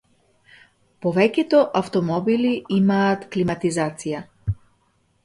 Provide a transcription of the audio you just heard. Повеќето автомобили имаат климатизација.